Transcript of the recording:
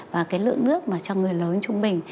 và cái lượng nước mà cho người lớn trung bình